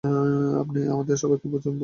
আপনি আমাদের সবাইকে ভুল বুঝছেন!